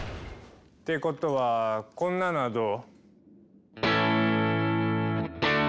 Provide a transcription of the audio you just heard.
ってことはこんなのはどう？